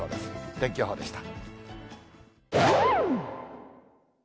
天気予報でした。